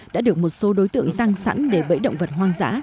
đã được một số đối tượng sang sẵn để bẫy động vật hoang dã